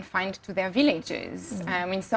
di beberapa tempat yang saya pergi